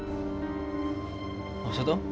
kamu itu gak pernah sadar